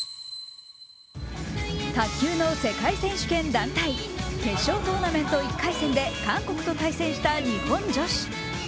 卓球の世界選手権団体、決勝トーナメント１回戦で韓国を対戦した日本女子。